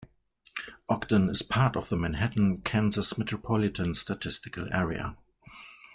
Ogden is part of the Manhattan, Kansas Metropolitan Statistical Area.